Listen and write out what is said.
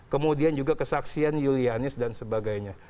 kemudian juga kesaksian julianis dan sebagainya